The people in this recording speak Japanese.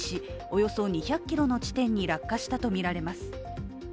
およそ２００ｋｍの地点に落下したとみられます。